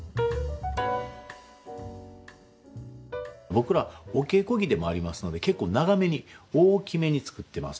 僕らお稽古着でもありますので結構長めに大きめに作ってますね。